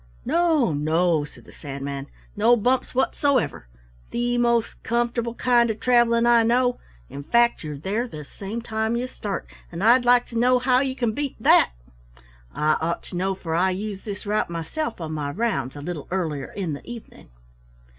"No, no," said the Sandman. "No bumps whatsoever, the most comfortable kind of traveling I know, in fact you're there the same time you start, and I'd like to know how you can beat that? I ought to know, for I use this route myself on my rounds a little earlier in the evening."